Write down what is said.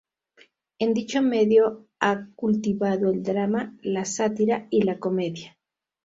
En dicho medio ha cultivado el drama, la sátira y la comedia.